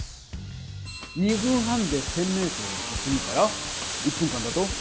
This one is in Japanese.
２分半で１０００メートル進むから１分間だと？